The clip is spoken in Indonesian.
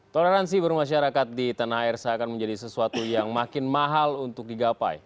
toleransi bermasyarakat di tanah air seakan menjadi sesuatu yang makin mahal untuk digapai